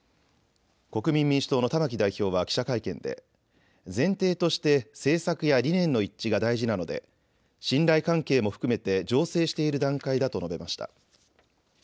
国民民主党の玉木代表は記者会見で前提として政策や理念の一致が大事なので信頼関係も含めて醸成している段階だと述べました。